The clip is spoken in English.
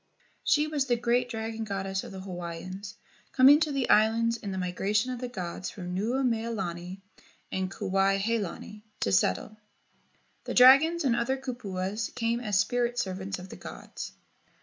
She was the great dragon goddess of the Hawaiians, coming to the islands in the migration of the gods from Nuu mea lani and Kuai he lani to settle. The dragons and other kupuas came as spirit servants of the gods.